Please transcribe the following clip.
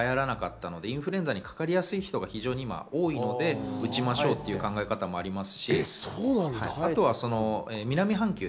専門家でも２つ考え方があって去年、流行らなかったのでインフルエンザにかかりやすい人が非常に多いので、打ちましょうという考え方もあります。